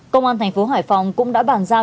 công an thành phố hải phòng cũng đã bàn giao